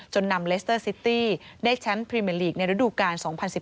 นำเลสเตอร์ซิตี้ได้แชมป์พรีเมอร์ลีกในฤดูกาล๒๐๑๘